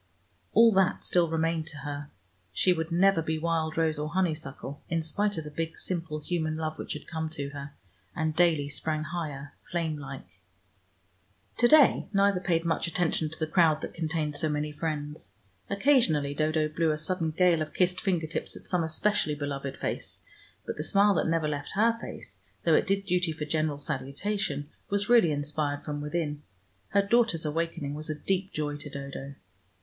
All that still remained to her: she would never be wild rose or honeysuckle, in spite of the big simple human love which had come to her, and daily sprang higher, flame like. To day neither paid much attention to the crowd that contained so many friends. Occasionally Dodo blew a sudden gale of kissed finger tips at some especially beloved face, but the smile that never left her face, though it did duty for general salutation, was really inspired from within. Her daughter's awakening was a deep joy to Dodo.